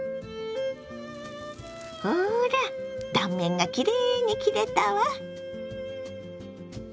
ほら断面がきれいに切れたわ！